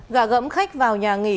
gà gẫm khách vào nhà nghỉ